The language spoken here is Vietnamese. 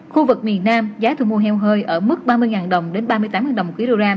khu vực miền nam giá thu mua heo hơi ở mức ba mươi đồng đến ba mươi tám đồng một kg